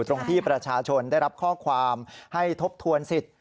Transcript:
ตรงที่ประชาชนได้รับข้อความให้ทบทวนสิทธิ์